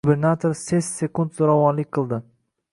Gubernator Sest sekund zo'ravonlik qildi